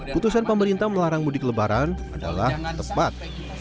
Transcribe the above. putusan pemerintah melarang mudik lebaran adalah tepat